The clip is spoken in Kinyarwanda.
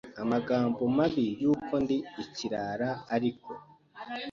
amagambo mabi yuko ndi ikirara ariko